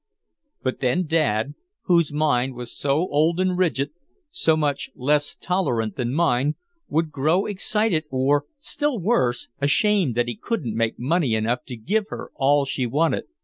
But then Dad, whose mind was so old and rigid, so much less tolerant than mine, would grow excited or, still worse, ashamed that he couldn't make money enough to give her all she wanted.